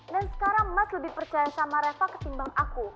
dan sekarang mas lebih percaya sama reva ketimbang aku